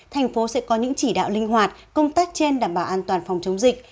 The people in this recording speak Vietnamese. thành phố sẽ có những chỉ đạo linh hoạt công tác trên đảm bảo an toàn phòng chống dịch